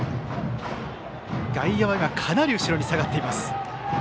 外野は今、かなり後ろに下がっています。